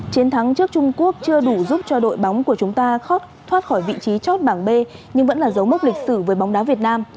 chiến thắng trước trung quốc chưa đủ giúp cho đội bóng của chúng ta thoát khỏi vị trí chót bảng b nhưng vẫn là dấu mốc lịch sử với bóng đá việt nam